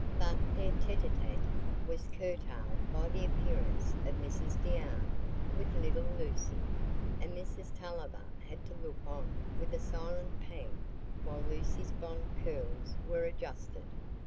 But their tête à tête was curtailed by the appearance of Mrs Deane with little Lucy; and Mrs Tulliver had to look on with a silent pang while Lucy's blond curls were adjusted.